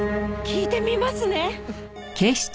聞いてみますね。